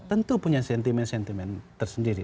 tentu punya sentimen sentimen tersendiri